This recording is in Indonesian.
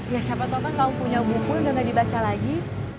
ya siapa tau kan kalau punya buku udah gak dibaca lagi